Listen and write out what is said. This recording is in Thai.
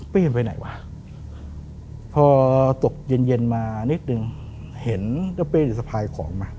ยังไปไหนวะพอตกเย็นเย็นมานิดนึงเห็นเจ้าเป้สะพายของมา